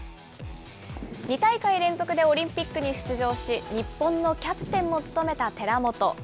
２大会連続でオリンピックに出場し、日本のキャプテンも務めた寺本。